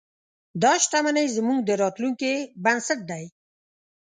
دا شتمنۍ زموږ د راتلونکي بنسټ دی.